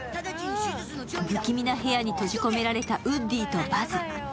不気味な部屋に閉じ込められたウッディとバズ。